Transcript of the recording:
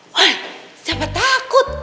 wah siapa takut